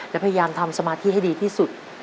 และพยายามทำสมาธิให้ดีที่สุด